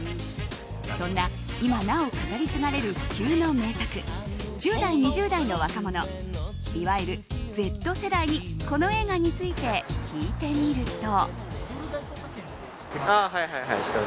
そんな今なお語り継がれる不朽の名作１０代、２０代の若者いわゆるＺ世代にこの映画について聞いてみると。